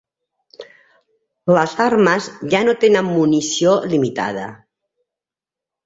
Les armes ja no tenen munició limitada.